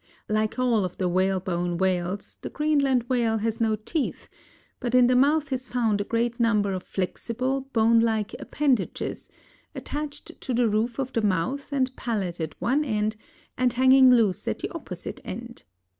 Like all of the whalebone whales, the Greenland Whale has no teeth, but in the mouth is found a great number of flexible, bone like appendages attached to the roof of the mouth and palate at one end and hanging loose at the opposite end.